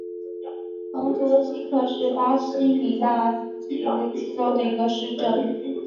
蓬图希克是巴西米纳斯吉拉斯州的一个市镇。